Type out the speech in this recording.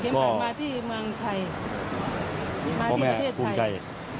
ก็มาที่ประเทศไทย